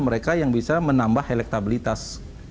mereka yang bisa menambah elektabilitas